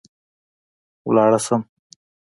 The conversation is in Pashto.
ولاړه شم